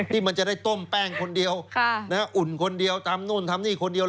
ที่มันจะได้ต้มแป้งคนเดียวอุ่นคนเดียวทำนู่นทำนี่คนเดียว